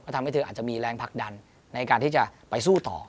ทำให้เธออาจจะมีแรงผลักดันในการที่จะไปสู้ต่อ